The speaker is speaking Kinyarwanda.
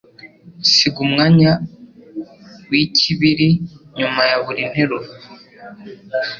Siga umwanya wikibiri nyuma ya buri nteruro.